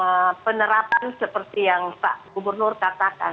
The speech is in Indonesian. untuk penerapan seperti yang pak gubernur katakan